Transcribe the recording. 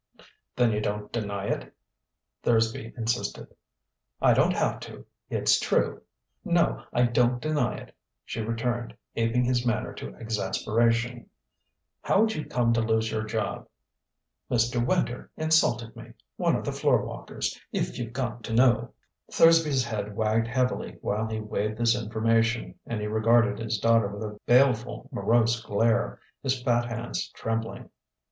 "Then you don't deny it?" Thursby insisted. "I don't have to. It's true. No, I don't deny it," she returned, aping his manner to exasperation. "How'd you come to lose your job?" "Mr. Winter insulted me one of the floor walkers if you've got to know." Thursby's head wagged heavily while he weighed this information, and he regarded his daughter with a baleful, morose glare, his fat hands trembling.